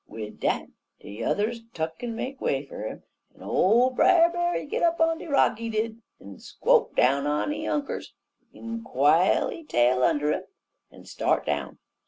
"Wid dat de yuthers tuck'n made way fer 'im, en ole Brer B'ar he git up on de rock he did, en squot down on he hunkers, en quile he tail und' 'im, en start down.